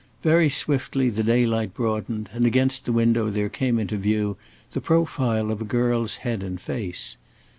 Very swiftly the daylight broadened, and against the window there came into view the profile of a girl's head and face.